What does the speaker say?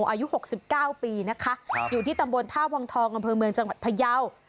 อายุ๖๙ปีนะคะอยู่ที่ตำบลท่าวังทองอำเภอเมืองจังหวัดพยาว